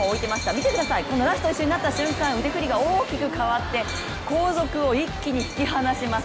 見てください、このラスト１周になった瞬間、腕振りが大きく変わって後続を一気に引き離します。